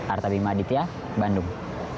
artabim aditya bandung